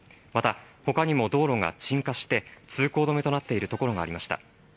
また他にも道路が沈下して通行止めとなっているところがありました。